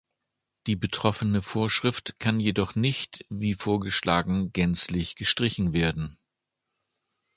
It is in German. Die betroffene Vorschrift kann jedoch nicht, wie vorgeschlagen, gänzlich gestrichen werden.